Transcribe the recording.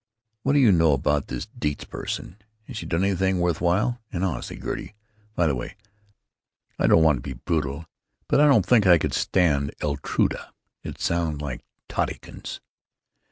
What do you know about this Deitz person? Has she done anything worth while? And honestly, Gertie——By the way, I don't want to be brutal, but I don't think I could stand 'Eltruda.' It sounds like 'Tottykins.'"